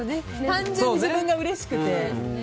単純に自分がうれしくて。